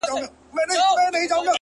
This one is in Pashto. خندا چي تاته در پرې ايښې په ژرا مئين يم-